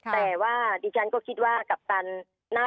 แต่ว่าดิฉันก็คิดว่ากัปตัน